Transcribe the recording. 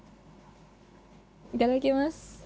いただきます。